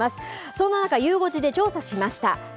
そんな中、ゆう５時で調査しました。